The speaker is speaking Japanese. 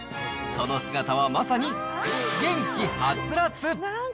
その姿はまさに、元気ハツラツ。